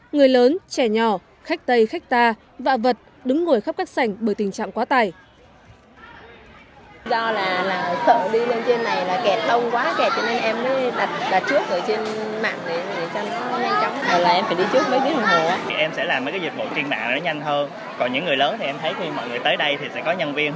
người lớn trẻ nhỏ khách tây khách ta vạ vật đứng ngồi khắp các sảnh bởi tình trạng quá tải